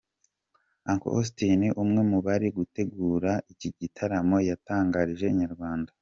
Uncle Austin umwe mu bari gutegura iki gitaramo yatangarije Inyarwanda.